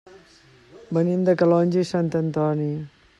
Venim de Calonge i Sant Antoni.